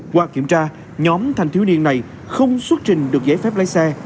qua kiểm tra nhóm thanh thiếu niên này không xuất trình được giấy phép lái xe